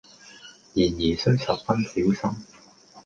然而須十分小心。